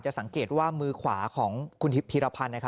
สังเกตว่ามือขวาของคุณพีรพันธ์